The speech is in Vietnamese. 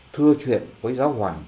thưa chuyện với giáo hoàng